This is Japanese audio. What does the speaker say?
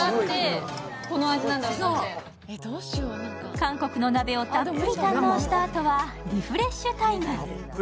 韓国の鍋をたっぷり堪能したあとはリフレッシュタイム。